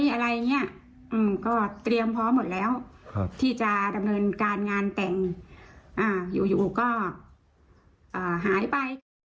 ก็เตรียมพร้อมหมดแล้วครับที่จะดำเนินการงานแต่งอ่าอยู่อยู่ก็อ่าหายไป